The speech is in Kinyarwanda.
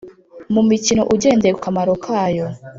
mu mikino ugendeye ku kamaro kayo.